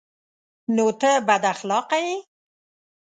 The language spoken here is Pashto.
_نو ته بد اخلاقه يې؟